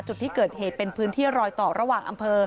จุดที่เกิดเหตุเป็นพื้นที่รอยต่อระหว่างอำเภอ